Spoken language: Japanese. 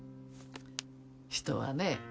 人はね